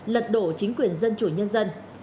lật đổ chính quyền dân chủ nhân dân